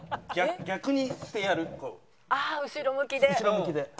ああ後ろ向きで。